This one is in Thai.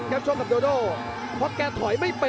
โอ้โหไม่พลาดกับธนาคมโด้แดงเขาสร้างแบบนี้